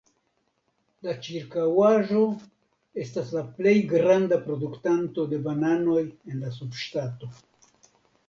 La ĉirkaŭaĵo estas la plej granda produktanto de bananoj en la subŝtato.